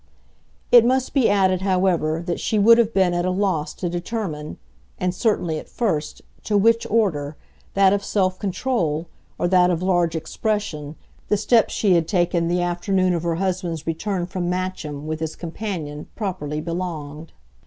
It must be added, however, that she would have been at a loss to determine and certainly at first to which order, that of self control or that of large expression, the step she had taken the afternoon of her husband's return from Matcham with his companion properly belonged.